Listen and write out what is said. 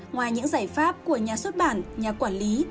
ngoài những giải pháp của nhà xuất bản nhà quản lý